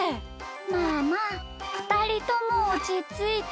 まあまあふたりともおちついて。